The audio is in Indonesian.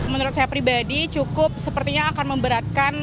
menurut saya pribadi cukup sepertinya akan memberatkan